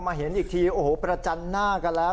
พอมาเห็นอีกทีประจันหน้ากันแล้ว